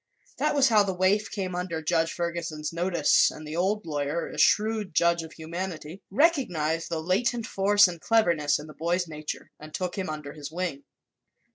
That was how the waif came under Judge Ferguson's notice and the old lawyer, a shrewd judge of humanity, recognized the latent force and cleverness in the boy's nature and took him under his wing.